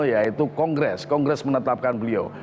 yaitu kongres kongres menetapkan beliau